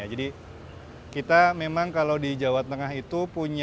jadi kita memang kalau di jawa tengah itu punya